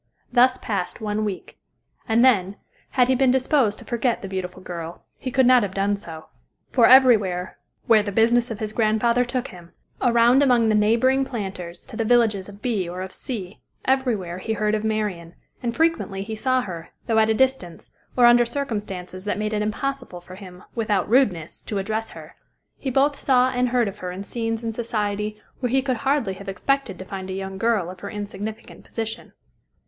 Thus passed one week. And then, had he been disposed to forget the beautiful girl, he could not have done so. For everywhere where the business of his grandfather took him around among the neighboring planters, to the villages of B or of C , everywhere he heard of Marian, and frequently he saw her, though at a distance, or under circumstances that made it impossible for him, without rudeness, to address her. He both saw and heard of her in scenes and society where he could hardly have expected to find a young girl of her insignificant position.